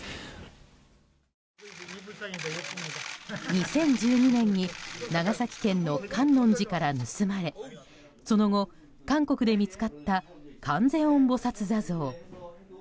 ２０１２年に長崎県の観音寺から盗まれその後、韓国で見つかった観世音菩薩坐像。